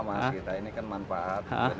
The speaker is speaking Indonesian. mas kita ini kan manfaat